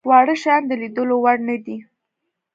واړه شيان د ليدلو وړ نه دي.